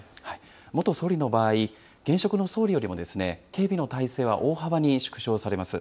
元総理の場合、現職の総理よりも警備の態勢は大幅に縮小されます。